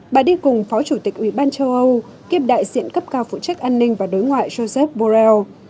bà đi cùng phó chủ tịch ủy ban châu âu kiêm đại diện cấp cao phụ trách an ninh và đối ngoại joseph borrell